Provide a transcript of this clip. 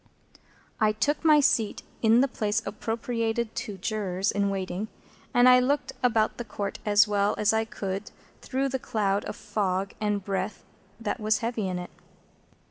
I took my seat in the place appropriated to Jurors in waiting, and I looked about the Court as well as I could through the cloud of fog and breath that was heavy in it.